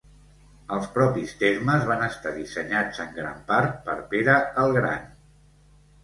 Els propis termes van estar dissenyats en gran part per Pere el Gran.